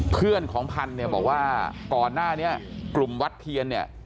เพื่อนของพันธุ์เนี่ยบอกว่าก่อนหน้านี้กลุ่มวัดเทียนเนี่ย